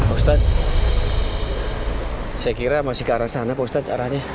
ustadz saya kira masih ke arah sana pak ustadz arahnya